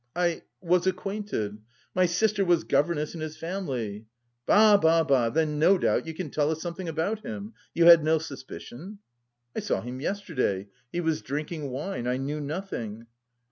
"I... was acquainted... my sister was governess in his family." "Bah bah bah! Then no doubt you can tell us something about him. You had no suspicion?" "I saw him yesterday... he... was drinking wine; I knew nothing."